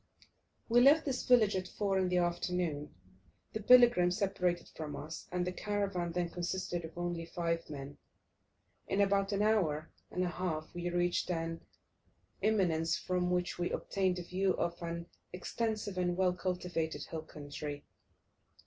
We left this village at 4 in the afternoon. The pilgrim separated from us, and the caravan then consisted of only five men. In about an hour and a half we reached an eminence from which we obtained a view of an extensive and well cultivated hill country.